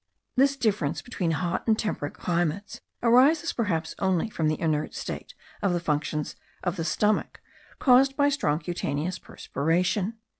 This difference between hot and temperate climates arises perhaps only from the inert state of the functions of the stomach caused by strong cutaneous perspiration.